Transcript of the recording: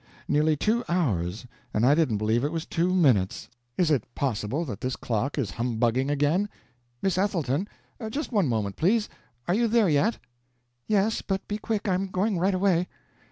Nearly two hours, and I didn't believe it was two minutes! Is it possible that this clock is humbugging again? Miss Ethelton! Just one moment, please. Are you there yet?" "Yes, but be quick; I'm going right away."